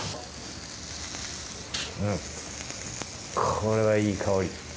これはいい香り。